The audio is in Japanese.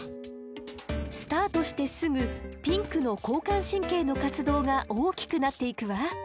スタートしてすぐピンクの交感神経の活動が大きくなっていくわ。